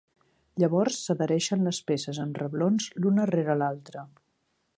Llavors s'adhereixen les peces amb reblons l'una rere l'altra.